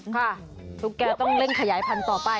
ค่ะตุ๊กแกต้องเร่งขยายพันต่อไป